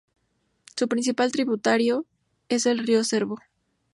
Su principal tributario es el Río Cervo.